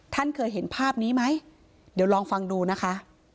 ท่านเคยเห็นภาพนี้ไหมเดี๋ยวลองฟังดูนะคะ